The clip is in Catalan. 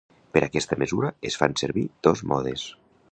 Per aquesta mesura es fan servir dos modes.